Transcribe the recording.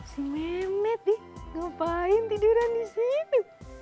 si ngemet nih ngapain tiduran di situ